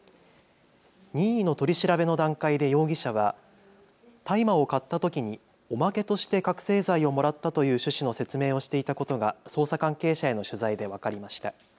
任意の取り調べの段階で容疑者は大麻を買ったときにおまけとして覚醒剤をもらったという趣旨の説明をしていたことが捜査関係者への取材で分かりました。